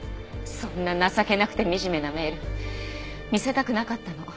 そんな情けなくてみじめなメール見せたくなかったの。